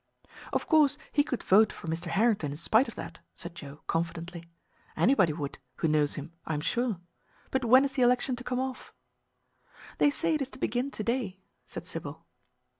"Of course he could vote for Mr. Harrington in spite of that," said Joe, confidently. "Anybody would, who knows him, I am sure. But when is the election to come off?" "They say it is to begin to day," said Sybil.